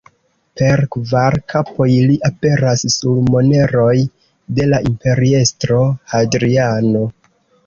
Per kvar kapoj li aperas sur moneroj de la imperiestro Hadriano.